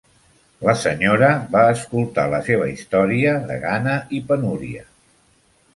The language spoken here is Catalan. La senyora va escoltar la seva història de gana i penúria.